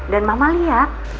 dan mama lihat